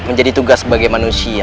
menjadi tugas sebagai manusia